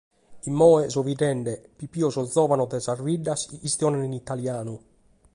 Immoi so bidende pipios o giòvanos de sas biddas chi chistionant in italianu.